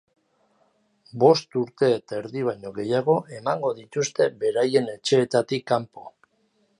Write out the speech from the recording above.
Bost urte eta erdi baino gehiago emango dituzte beraien etxeetatik kanpo.